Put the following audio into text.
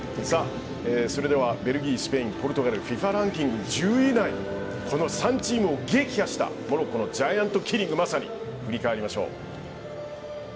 それではベルギー、スペインポルトガルＦＩＦＡランキング１０位以内の３チームを撃破したモロッコのジャイアントキリング振り返りましょう。